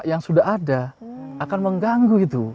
yang sudah ada akan mengganggu itu